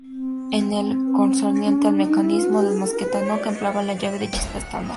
En lo concerniente al mecanismo, el mosquete Nock empleaba la llave de chispa estándar.